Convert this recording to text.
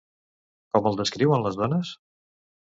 Com el descriuen les dones?